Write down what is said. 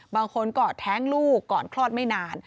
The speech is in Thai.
บางคนก็แท้งลูกก่อนคลอดไม่นาน